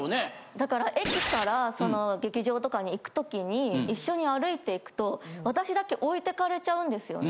だから駅から劇場とかに行く時に一緒に歩いていくと私だけ置いてかれちゃうんですよね。